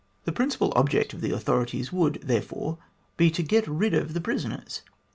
The principal object of the authorities would, therefore, be to get rid of the prisoners.